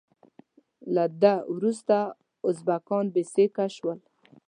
له ده وروسته ازبکان بې سیکه شول.